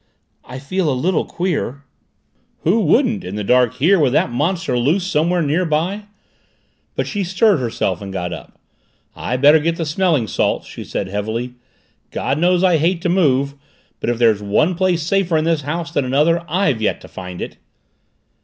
"I feel a little queer." "Who wouldn't in the dark here with that monster loose somewhere near by?" But she stirred herself and got up. "I'd better get the smelling salts," she said heavily. "God knows I hate to move, but if there's one place safer in this house than another, I've yet to find it."